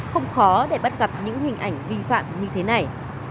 không khó để bắt gặp những hình ảnh vi phạm như thế này